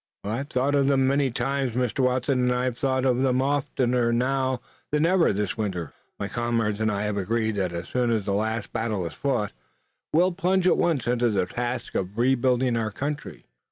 "I've thought of them many times, Mr. Watson, and I've thought of them oftener than ever this winter. My comrades and I have agreed that as soon as the last battle is fought we'll plunge at once into the task of rebuilding our country.